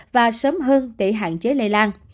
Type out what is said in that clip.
và sớm hơn để hạn chế lây lan